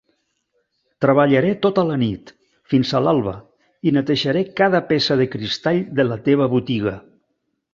Treballaré tota la nit, fins a alba, i netejaré cada peça de cristall de la teva botiga.